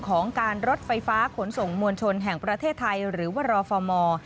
ของการรถไฟฟ้าขนส่งมวลชนแห่งประเทศไทยหรือวรฟม